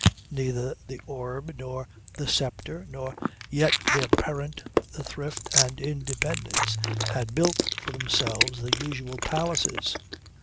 Neither The Orb nor The Sceptre nor yet their parent the Thrift and Independence had built for themselves the usual palaces.